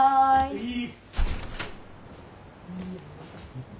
はい。